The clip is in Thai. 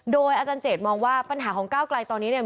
โดยอาจารย์เจดมองว่าปัญหาของก้าวไกลตอนนี้เนี่ย